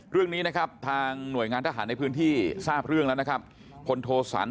เพราะว่าในการฝึกเราก็ต้องมีค่าใช้กลาย